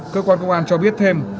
cơ quan công an cho biết thêm